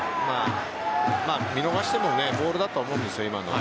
見逃してもボールだとは思うんです、今の。